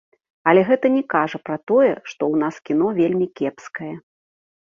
Але гэта не кажа пра тое, што ў нас кіно вельмі кепскае.